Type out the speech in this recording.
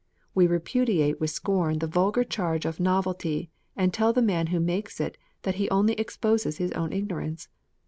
We repudiate with scorn the vulgar charge of novelty, and tell the man who makes it that he only exposes his own ignorance.